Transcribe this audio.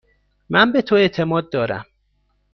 من به تو اعتماد دارم.